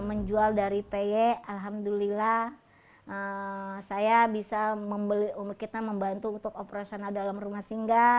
menjual dari peye alhamdulillah saya bisa membeli kita membantu untuk operasional dalam rumah singga